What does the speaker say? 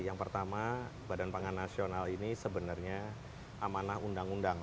yang pertama badan pangan nasional ini sebenarnya amanah undang undang